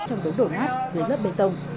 trong đống đổ nát dưới lớp bê tông